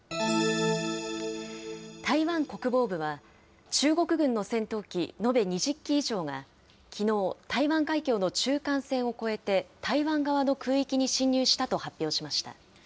台湾国防部は、中国軍の戦闘機延べ２０機以上が、きのう、台湾海峡の中間線を越えて、台湾側の空域に進入したと発表しました。